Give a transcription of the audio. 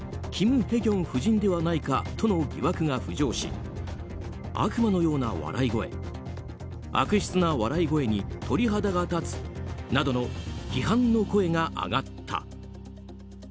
キム・ヘギョン夫人ではないかとの疑惑が浮上し悪魔のような笑い声悪質な笑い声に鳥肌が立つなどの批判の声が上がった。